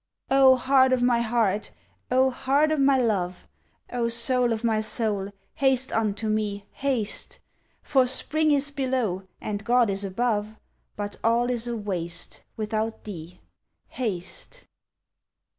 Oh, heart o' my heart, oh, heart o' my love, (Oh soul o' my soul, haste unto me, haste!) For spring is below and God is above But all is a waste Without thee haste!